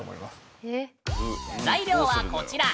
材料はこちら。